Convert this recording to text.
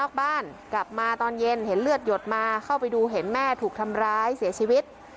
บ้านกลับมาตอนเย็นเห็นเลือดหยดมาเข้าไปดูเห็นแม่ถูกทำร้ายเสียชีวิต